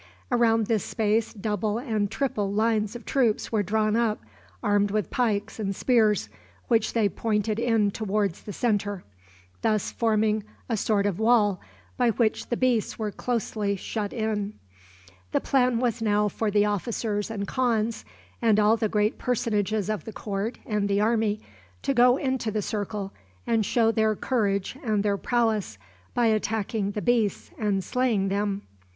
Around this space double and triple lines of troops were drawn up, armed with pikes and spears, which they pointed in toward the centre, thus forming a sort of wall by which the beasts were closely shut in. The plan was now for the officers and khans, and all the great personages of the court and the army, to go into the circle, and show their courage and their prowess by attacking the beasts and slaying them.